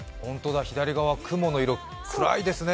左側、雲の色、暗いですね。